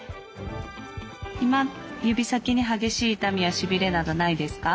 今指先に激しい痛みやしびれなどないですか？